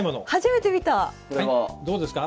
はいどうですか？